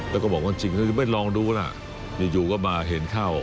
แล้วก็บอกว่าจริงก็คือไม่ลองดูล่ะอยู่ก็มาเห็นเข้า